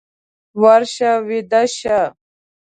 ورشه ويده شه!